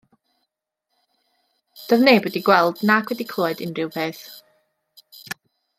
Doedd neb wedi gweld nac wedi clywed unrhyw beth.